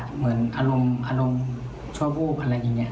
เหมือนอารมณ์ชั่ววูบอะไรอย่างนี้